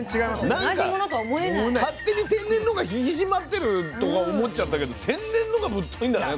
なんか勝手に天然の方が引き締まってるとか思っちゃったけど天然の方がぶっといんだねこれ。